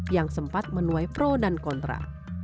yang sempat menuai pro dan kontra